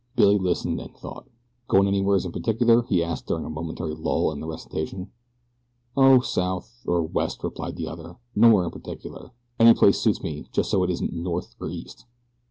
Billy listened and thought. "Goin' anywheres in particular?" he asked during a momentary lull in the recitation. "Oh, south or west," replied the other. "Nowhere in particular any place suits me just so it isn't north or east."